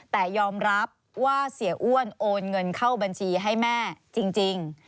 แต่ยอมรับว่าเสียอ้วนโอนเงินเข้าบัญชีให้แม่จริง